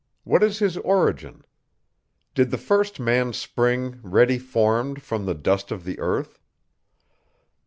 What is his origin? Did the first man spring, ready formed, from the dust of the earth?